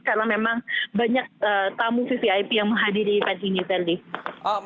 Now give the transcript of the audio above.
karena memang banyak tamu ccip yang menghadiri event ini terli